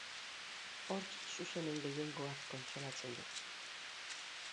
Hortz zuzenen gehiengoak kontsolatzen du.